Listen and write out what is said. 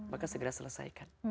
maka segera selesaikan